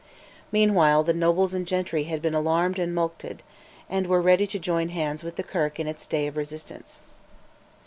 Meanwhile the nobles and gentry had been alarmed and mulcted, and were ready to join hands with the Kirk in its day of resistance.